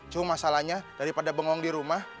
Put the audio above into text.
cuma masalahnya daripada bengong di rumah